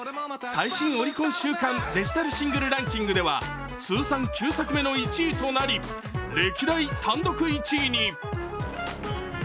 最新オリコン週間デジタルシングルランキングでは通算９作目の１位となり、歴代単独１位に。